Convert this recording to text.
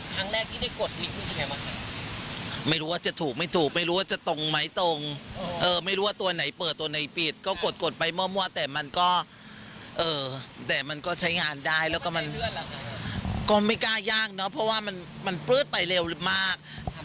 ครั้งแรกที่ได้กดนี่คือยังไงบ้างคะไม่รู้ว่าจะถูกไม่ถูกไม่รู้ว่าจะตรงไหมตรงไม่รู้ว่าตัวไหนเปิดตัวไหนปิดก็กดกดไปมั่วแต่มันก็แต่มันก็ใช้งานได้แล้วก็มันก็ไม่กล้าย่างเนอะเพราะว่ามันปลื๊ดไปเร็วมาก